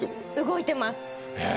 動いています。